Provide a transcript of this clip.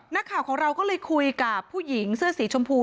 นักข่าวของเราก็เลยคุยกับผู้หญิงเสื้อสีชมพู